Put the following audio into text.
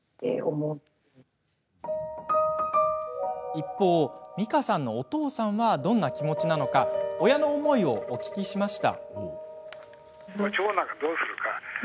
一方、みかさんのお父さんはどんな気持ちなのか親の思いをお聞きしました。